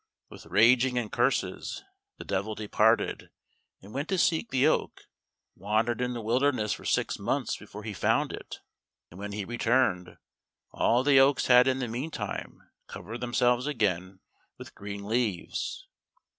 With raging and curses, the Devil departed, and went to seek the oak, wandered in the wilderness for six months before he found it, and when he returned, all the oaks had in the meantime covered themselves again with green leaves.